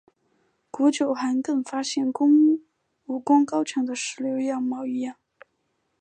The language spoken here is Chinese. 古九寒更发现武功高强的石榴样貌一样。